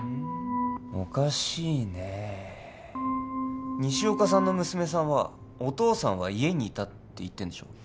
おかしいねえ西岡さんの娘さんはお父さんは家にいたと言ってるんでしょ？